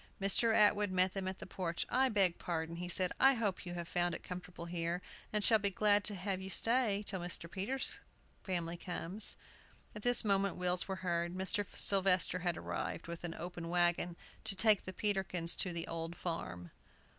Mr. Atwood met them at the porch. "I beg pardon," he said. "I hope you have found it comfortable here, and shall be glad to have you stay till Mr. Peters' family comes." At this moment wheels were heard. Mr. Sylvester had arrived, with an open wagon, to take the Peterkins to the "Old Farm."